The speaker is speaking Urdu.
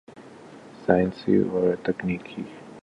سائنسی اور تکنیکی